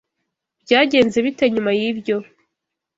Byagenze bite nyuma yibyo?